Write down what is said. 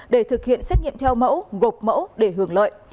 để thực hiện xét nghiệm theo mẫu gộp mẫu để hưởng lợi